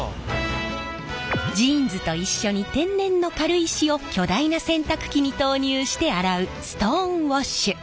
ジーンズと一緒に天然の軽石を巨大な洗濯機に投入して洗うストーンウォッシュ。